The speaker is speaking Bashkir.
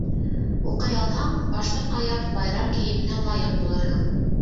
Уҡый алһаң, баштан-аяҡ байрам кейеменә лайыҡ булырһың.